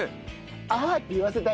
「あ」って言わせたい。